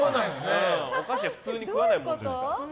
お菓子は普通に食わないものですから。